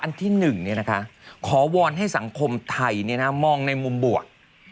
อันที่หนึ่งขอวอนให้สังคมไทยมองในมุมบวก